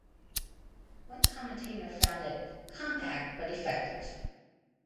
One commentator found it "compact but effective".